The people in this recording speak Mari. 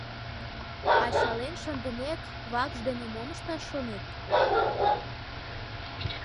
— Ачален шындымек, вакш дене мом ышташ шонет?